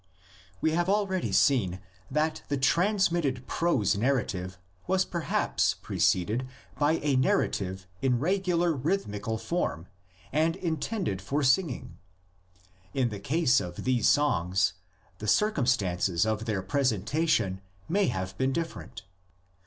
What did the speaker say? We have already seen (page 38) that the trans mitted prose narrative was perhaps preceded by a narrative in regular rhythmical form and intended for singing. In the case of these songs the circum stances of their presentation may have been differ ent.